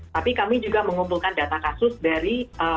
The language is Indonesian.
tapi kami juga mengumpulkan data kasus dari